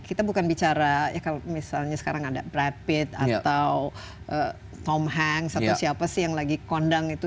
kita bukan bicara misalnya sekarang ada brad pitt atau tom hanks atau siapa sih yang lagi kondang itu